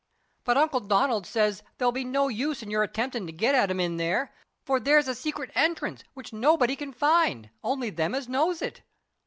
But Uncle Donald says there'll be no use in your attemptin' to get at 'em in there, for there's a secret entrance which nobody can find only them as knows it.